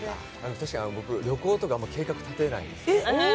確かに僕、旅行とかあんまり計画立てないんです。